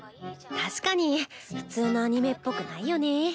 確かに普通のアニメっぽくないよね。